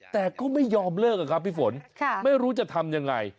แต่ก็ไม่ยอมเลิกอะครับพี่ฝนไม่รู้จะทำยังไง